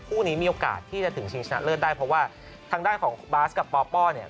คู่นี้มีโอกาสที่จะถึงชิงชนะเลิศได้เพราะว่าทางด้านของบาสกับปป้อเนี่ย